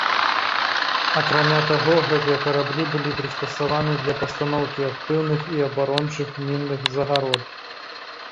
Акрамя таго, гэтыя караблі былі прыстасаваны для пастаноўкі актыўных і абарончых мінных загарод.